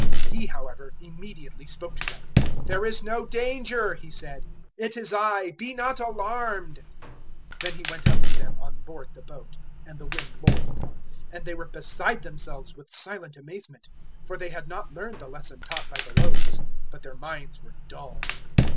He, however, immediately spoke to them. "There is no danger," He said; "it is I; be not alarmed." 006:051 Then He went up to them on board the boat, and the wind lulled; and they were beside themselves with silent amazement. 006:052 For they had not learned the lesson taught by the loaves, but their minds were dull.